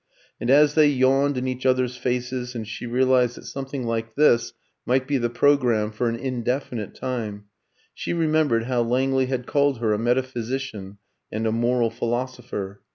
And as they yawned in each other's faces, and she realised that something like this might be the programme for an indefinite time, she remembered how Langley had called her a metaphysician and a moral philosopher.